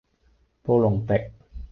布隆迪